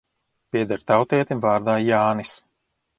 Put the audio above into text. Pieder tautietim vārdā Jānis.